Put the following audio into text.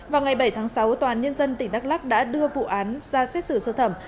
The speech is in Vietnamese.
vào ngày bảy tháng sáu tòa án nhân dân tỉnh đắk lắc đã đưa vụ án ra xét xử sơ thẩm